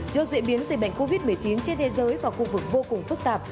do diễn biến dây bệnh covid một mươi chín trên thế giới và khu vực vô cùng phức tạp